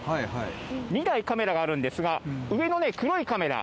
２台、カメラがあるんですが、上の黒いカメラ、